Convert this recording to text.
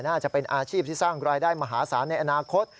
น่าจะเป็นอาชีพที่สร้างรายได้มหาศาลในอนาคต